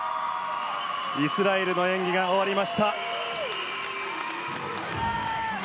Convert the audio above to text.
イスラエルの演技が終わりました。